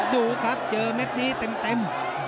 ดูครับเจอเม็ดนี้เต็ม